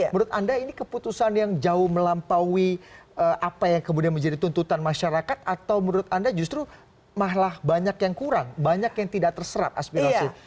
menurut anda ini keputusan yang jauh melampaui apa yang kemudian menjadi tuntutan masyarakat atau menurut anda justru malah banyak yang kurang banyak yang tidak terserap aspirasi